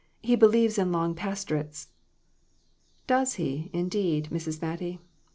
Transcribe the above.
He believes in long pastorates." Does he, indeed, Mrs. Mattie!